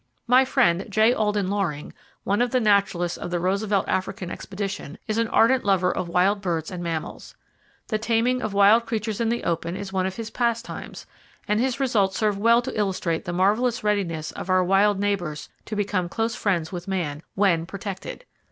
My friend J. Alden Loring (one of the naturalists of the Roosevelt African Expedition), is an ardent lover of wild birds and mammals. The taming of wild creatures in the open is one of his pastimes, and his results serve well to illustrate the marvelous readiness of our wild [Page 315] neighbors to become close friends with man when protected.